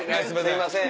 すいません。